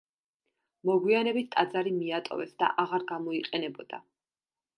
მოგვიანებით ტაძარი მიატოვეს და აღარ გამოიყენებოდა.